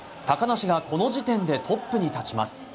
高梨がこの時点でトップに立ちます。